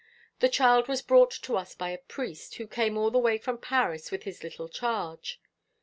The child was brought to us by a priest, who came all the way from Paris with his little charge.